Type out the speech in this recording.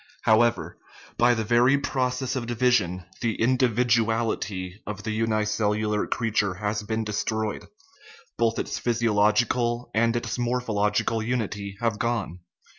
However, by the very process of division the individuality of the unicellular creature has been destroyed ; both its physiological and its morphological unity have gone.